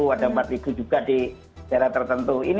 ada empat ribu juga di daerah tertentu